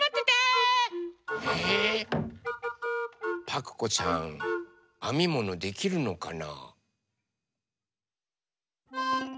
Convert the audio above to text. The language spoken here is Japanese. パクこさんあみものできるのかな？